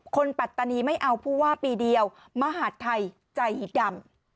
ปัตตานีไม่เอาผู้ว่าปีเดียวมหาดไทยใจดำ